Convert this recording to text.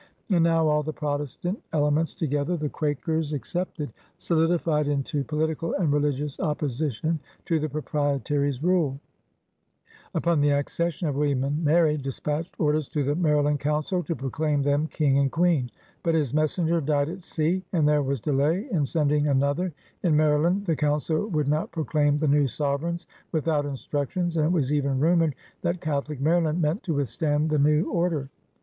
And now all the Protestant elements together — the Quakers ex 13 IM PIONEERS OP THE OLD SOUTH cepted — solidified into political and religious op position to the Proprietary's rule. Baltimore, still in England, had immediately, upon the accession of William and Mary, dispatched orders to the Maryland Council to proclaim them King and Queen. But his messenger died at sea, and there was delay in sending another. In Maryland the Council would not proclaim the new sovereigns without instructions, and it was even rumored that Catholic Maryland meant to withstand the new order.